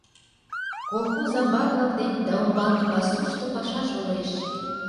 Колхоз амбар-влак дене да умбалне, пасушто, паша шолеш.